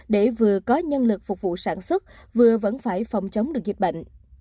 để vừa có nhân lực phục vụ sản xuất vừa vẫn phải phòng chống được dịch bệnh